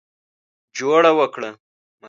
جوړه وکړه.